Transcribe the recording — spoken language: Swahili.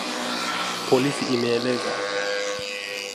polisi imeeleza